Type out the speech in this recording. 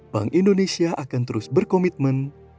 bank indonesia akan terus berkomitmen